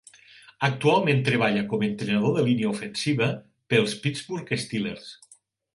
Actualment treballa com entrenador de línia ofensiva pels Pittsburgh Steelers.